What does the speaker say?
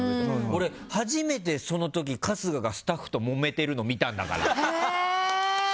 俺初めてその時、春日がスタッフともめてるの見たんだから。